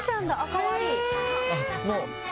かわいい。